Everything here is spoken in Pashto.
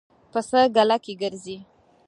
پسه ګله کې ګرځي.